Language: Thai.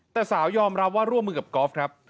แต่สาวยอมรับว่าร่วมมือกับกอล์ฟครับ